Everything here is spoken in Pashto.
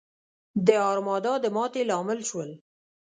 د ارمادا د ماتې لامل شول.